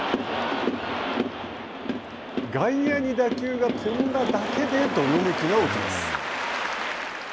外野に打球が飛んだだけでどよめきが起きます。